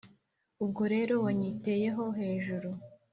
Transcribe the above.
Ubwo rero wanyiteyeho hejuru,